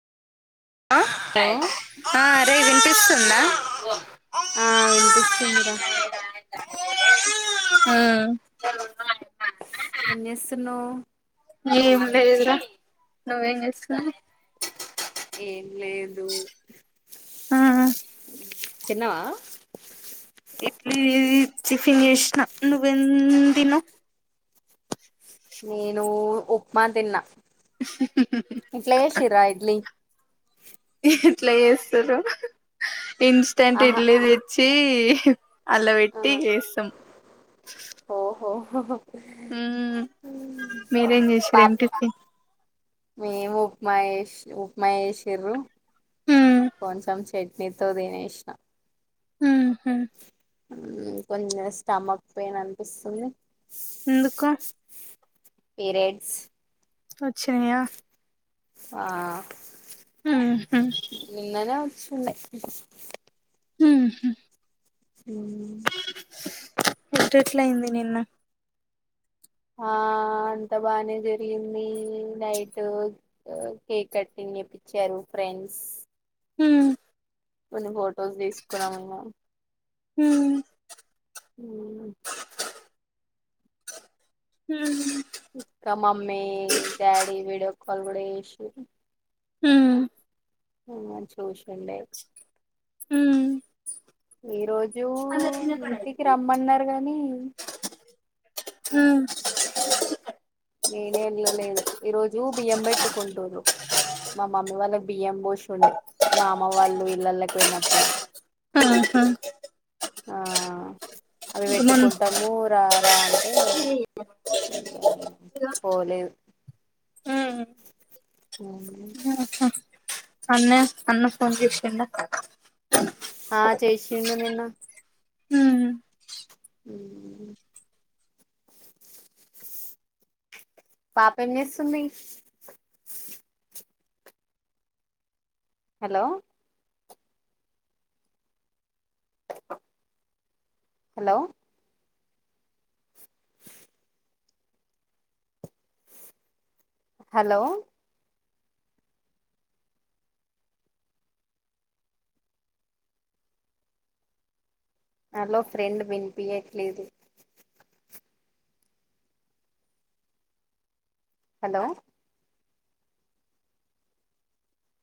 ఆ హలో ఆ రే విన్పిస్తుందా? ఆ వినిపిస్తుందిరా. ఆ ఏం చేసున్నవ్? ఏం లేదు రా, నువ్వేం చేసున్నవ్? ఏం లేదు ఆ తిన్నవా? ఇడ్లీ టిఫిన్ చేశ్నా, నువ్వేం దిన్నవ్? నేను ఉప్మా తిన్నా. ఇంట్ల చేశిరా ఇడ్లీ? ఎట్లా చేస్తరు ఇన్స్టంట్ ఆహా ఇడ్లీ తెచ్చి అందుల పెట్టి ఎస్సాం ఓహోహో ఓ మీరేం చేశిరు ఏం టిఫి మేం ఉప్మా చెశ్ ఉప్మా చేశిరు. కొంచం చెట్ నీతో దినేశ్నా ఉహు ఉ కొంచం స్టమక్ పెయిన్ అనిపిస్తుంది. ఎందుకు? పిరిడ్స్ వచ్చినియా ఆ ఊహూ నిన్ననే వచ్చండ ఊహూ హ్మ్ ఎట్ల ఎట్లా అయింది నిన్నా ఆ అంత బానే జరిగింది నైటు కేక్ కటింగ్ చేప్పించారు ఫ్రెండ్స్ హ్మ్ కొన్ని ఫొటోస్ తీసుకున్నాము హ్మ్ హ్మ్ హ్మ్ ఇక్క మమ్మీ డాడీ వీడియో కాల్ కూడా చేసిండ్రు హ్మ్ మిమ్మల్ని చూసిండే హ్మ్ ఈ రోజు ఇంటికి రమ్మన్నారు గాని హ్మ్ నేనే వెళ్ళలేదు ఈరోజు బియ్యం పెట్టుకుంటున్రూ మా మమ్మీ వాళ్ళ బియ్యం పోషి ఉండే మా అమ్మ వాళ్ళు ఇళ్లళకి పోయినప్పుడు ఆహా ఆ అవి ఇంక పెట్టుకుంటాము రా రా అంటే పోలే మొన్న అవును అన్న అన్న ఫోన్ చేసిండ ఆ చేసిండు నిన్న హ్మ్ హ్మ్ పాప ఏం చేస్తుంది hello hello hello hello friend వినిపియట్లేదు హలో